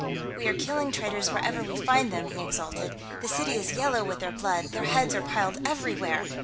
"We are killing traitors wherever we find them!" he exulted. "The city is yellow with their blood; their heads are piled everywhere!